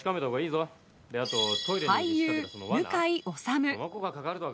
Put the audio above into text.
俳優・向井理。